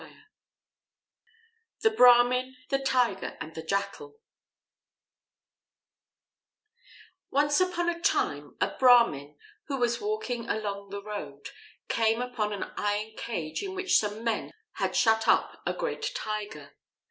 XV THE BRAHMIN, THE TIGER, AND THE JACKAL ONCE upon a time a Brahmin, who was walking along the road, came upon an iron cage in which some men had shut up a great Tiger.